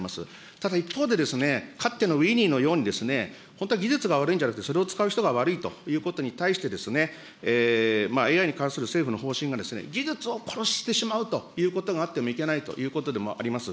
ただ一方で、かつてのウイニーのように、本当は技術が悪いんじゃなくてそれを使う人が悪いということに対して、ＡＩに関する政府の方針が技術を殺してしまうということがあってはいけないということであります。